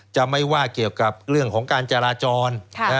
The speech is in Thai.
จะไม่ว่าเกี่ยวกับเรื่องของการจราจร